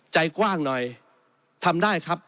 ใจกว้างหน่อยทำได้ครับ